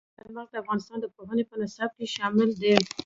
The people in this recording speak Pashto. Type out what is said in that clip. چار مغز د افغانستان د پوهنې په نصاب کې شامل دي.